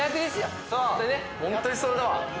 ホントにそれだわ。